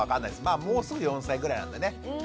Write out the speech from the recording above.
まあもうすぐ４歳ぐらいなんでね。